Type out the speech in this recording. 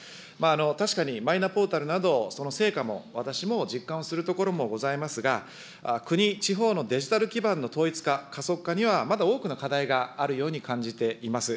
確かにマイナポータルなど、その成果も、私も実感をするところもございますが、国、地方のデジタル基盤の統一化、加速化には、まだ多くの課題があるように感じています。